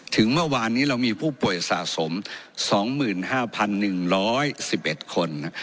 เมื่อวานนี้เรามีผู้ป่วยสะสม๒๕๑๑๑คน